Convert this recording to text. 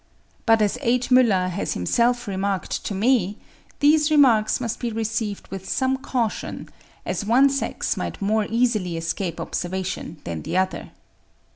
But as H. Müller has himself remarked to me, these remarks must be received with some caution, as one sex might more easily escape observation than the other.